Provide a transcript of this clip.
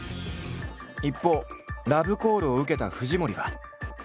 一方ラブコールを受けた藤森は。